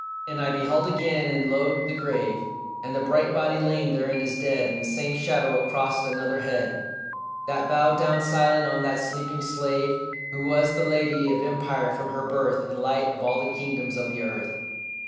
And I beheld again, and lo the grave, And the bright body laid therein as dead, And the same shadow across another head That bowed down silent on that sleeping slave Who was the lady of empire from her birth And light of all the kingdoms of the earth.